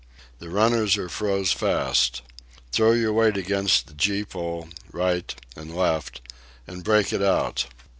The runners are froze fast. Throw your weight against the gee pole, right and left, and break it out."